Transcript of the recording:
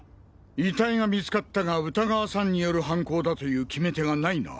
遺体が見つかったが歌川さんによる犯行だという決め手がないな。